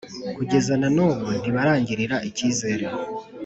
Kugeza na n’ubu ntibarangirira icyizere